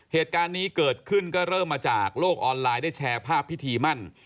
เหตุการณ์นี้เกิดขึ้นก็เริ่มมาจากโลกออนไลน์ได้แชร์ภาพพิธีมั่น